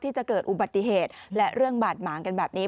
จะเกิดอุบัติเหตุและเรื่องบาดหมางกันแบบนี้